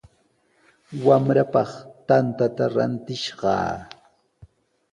Wamraapaq tantata rantishqaa.